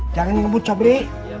jangan ngebut sobri